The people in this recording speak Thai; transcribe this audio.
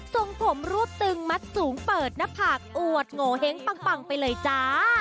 ส่งผมรวบตึงมัดสูงเปิดหน้าผากอวดโงเห้งปังไปเลยจ้า